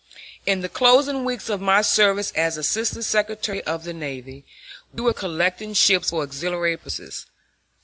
In the closing weeks of my service as Assistant Secretary of the Navy we were collecting ships for auxiliary purposes.